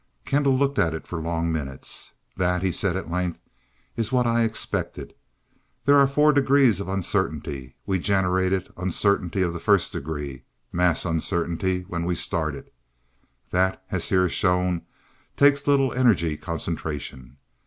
Kendall looked at it for long minutes. "That," he said at length, "is what I expected. There are four degrees of uncertainty, we generated 'Uncertainty of the First Degree,' 'Mass Uncertainty,' when we started. That, as here shown, takes little energy concentration.